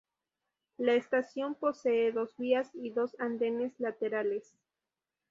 La estación posee dos vías y dos andenes laterales.